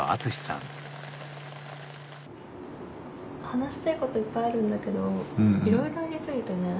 話したいこといっぱいあるんだけどいろいろあり過ぎてね。